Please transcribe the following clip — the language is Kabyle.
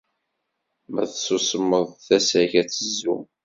Ma tsusmeḍ tasa-k ad tezzu.